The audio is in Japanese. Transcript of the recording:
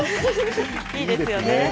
いいですよね。